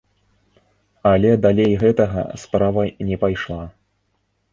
Але далей гэтага справа не пайшла.